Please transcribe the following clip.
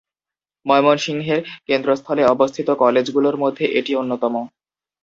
ময়মনসিংহের কেন্দ্রস্থলে অবস্থিত কলেজগুলোর মধ্যে এটি অন্যতম।